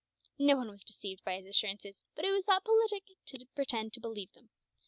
No one was deceived by his assurances, but it was thought politic to pretend to believe them.